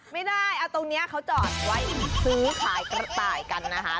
ไม่ได้เอาตรงนี้เขาจอดไว้ซื้อขายกระต่ายกันนะคะ